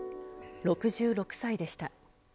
６６歳でした。